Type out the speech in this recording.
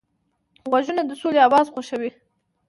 غوږونه د سولې اواز خوښوي